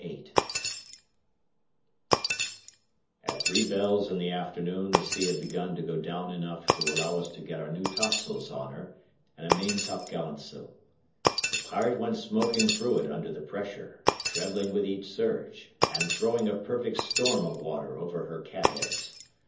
VIII At three bells in the afternoon the sea had begun to go down enough to allow us to get our new topsails on her and a main topgallantsail. The Pirate went smoking through it under the pressure, trembling with each surge, and throwing a perfect storm of water over her catheads.